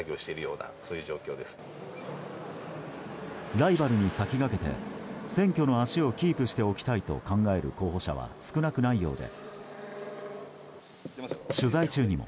ライバルに先駆けて選挙の足をキープしておきたいと考える候補者は少なくないようで取材中にも。